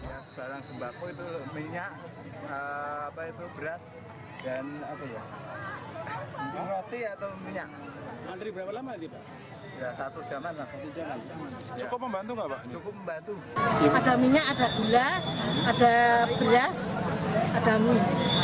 ada minyak ada gula ada beras ada mie